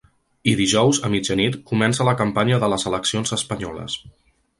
I dijous, a mitjanit, comença la campanya de les eleccions espanyoles.